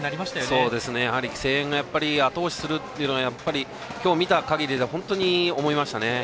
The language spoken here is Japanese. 声援が後押しするというのは今日、見た限り本当に思いましたね。